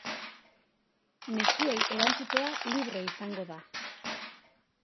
Mezuei erantzutea libre izango da.